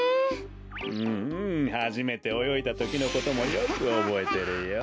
うんうんはじめておよいだときのこともよくおぼえてるよ。